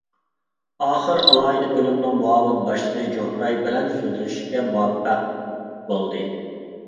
ئاخىر ئالاھىدە بۆلۈمنىڭ مۇئاۋىن باشلىقى جوھراي بىلەن سۆزلىشىشكە مۇۋەپپەق بولدى.